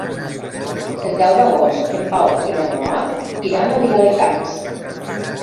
El deu d'agost en Pau i na Noa iran a Viladecans.